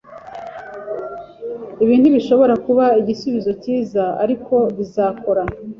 Ibi ntibishobora kuba igisubizo cyiza, ariko bizakora